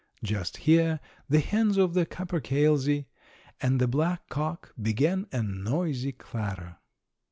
Just here the hens of the capercailzie and the black cock began a noisy clatter.